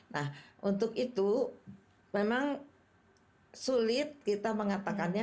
nah untuk itu memang sulit kita mengatakannya